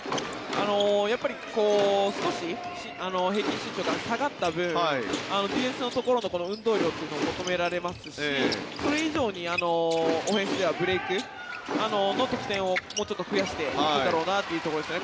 少し平均身長が下がった分ディフェンスのところの運動量というのを求められますしそれ以上にオフェンスではブレークの起点をもうちょっと増やしていくんだろうなというところですね。